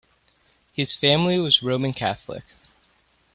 His family was Roman Catholic.